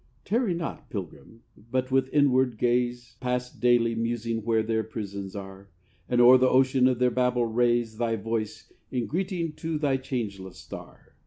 Tarry not, pilgrim, but with inward gaze Pass daily, musing, where their prisons are, And o'er the ocean of their babble raise Thy voice in greeting to thy changeless star.